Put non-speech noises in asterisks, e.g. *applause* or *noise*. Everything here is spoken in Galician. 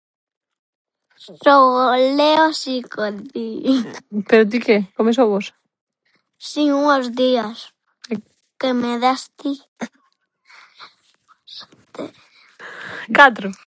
*unintelligible* Pero ti que? Comes ovos? Si, unos días, que me das ti. Catro?